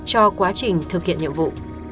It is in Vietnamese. cho quá trình thực hiện nhiệm vụ